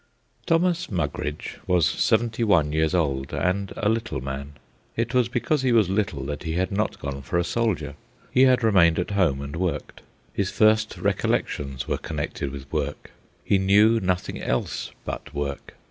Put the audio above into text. Thomas Mugridge was seventy one years old and a little man. It was because he was little that he had not gone for a soldier. He had remained at home and worked. His first recollections were connected with work. He knew nothing else but work.